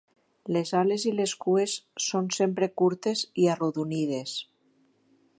Les ales i les cues són sempre curtes i arrodonides.